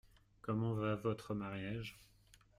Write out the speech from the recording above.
Comment va votre mariage ?